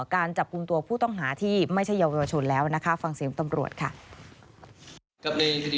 การจับกลุ่มตัวผู้ต้องหาที่ไม่ใช่เยาวชนแล้วนะคะฟังเสียงตำรวจค่ะ